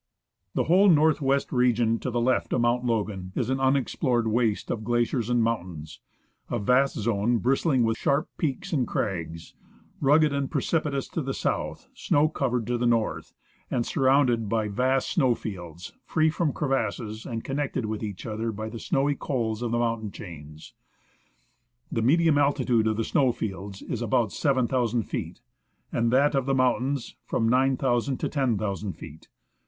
The whole north west region to the left of Mount Logan is an unexplored waste of glaciers and mountains, a vast zone bristling with sharp peaks and crags, rugged and precipitous to the south, snow covered to the north, and surrounded by vast snow fields free from crevasses, and connected with each other by the snowy cols of the mountain chains. The medium alti tude of the snow fields is about 7,000 feet, that of the mountains from 9,000 to 10,000 feet.